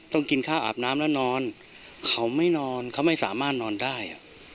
กินข้าวอาบน้ำแล้วนอนเขาไม่นอนเขาไม่สามารถนอนได้